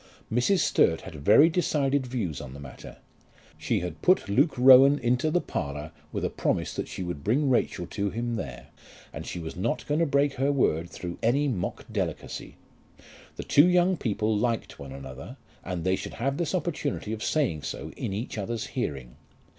Mrs. Sturt had very decided views on the matter. She had put Luke Rowan into the parlour with a promise that she would bring Rachel to him there, and she was not going to break her word through any mock delicacy. The two young people liked one another, and they should have this opportunity of saying so in each other's hearing.